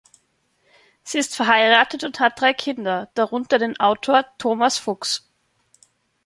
Sie ist verheiratet und hat drei Kinder, darunter den Autor Thomas Fuchs.